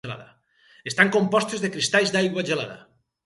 Estan compostes de cristalls d'aigua gelada.